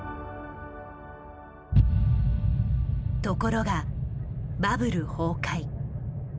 ところがバブル崩壊。